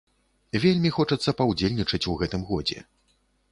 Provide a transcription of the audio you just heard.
Вельмі хочацца паўдзельнічаць у гэтым годзе.